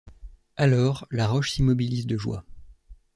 Alors la roche s’immobilise de joie.